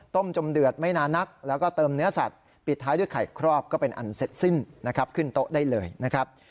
ต้มจมเดือดไม่นานักแล้วก็เติมเนื้อสัตว์ปิดท้ายด้วยไข่ครอบก็เป็นอันเสร็จสิ้นนะครับ